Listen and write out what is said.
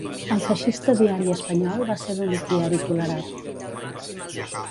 El feixista Diari Espanyol va ser l'únic diari tolerat.